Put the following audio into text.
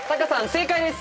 正解です！